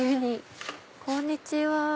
こんにちは。